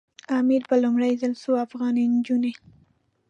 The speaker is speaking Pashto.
امیر په لومړي ځل څو افغاني نجونې.